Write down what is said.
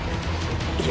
いや！！